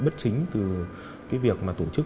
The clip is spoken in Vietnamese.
bất chính từ việc tổ chức